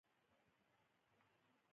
د دې پنځو قاعدو تمرکز پر هغو حقوقو دی.